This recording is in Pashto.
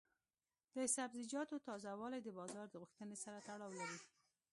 د سبزیجاتو تازه والي د بازار د غوښتنې سره تړاو لري.